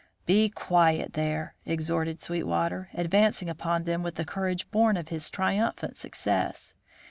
"Be quiet there!" exhorted Sweetwater, advancing upon them with the courage born of his triumphant success.